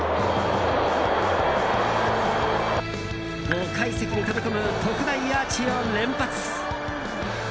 ５階席に飛び込む特大アーチを連発。